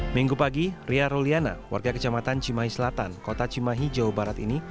minggu pagi ria ruliana warga kecamatan cimahi selatan kota cimahi jawa barat ini